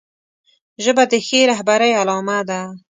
ژبه د ښې رهبرۍ علامه ده